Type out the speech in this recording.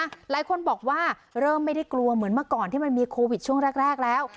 หลายคนบอกว่าเริ่มไม่ได้กลัวเหมือนเมื่อก่อนที่มันมีโควิดช่วงแรกแล้ว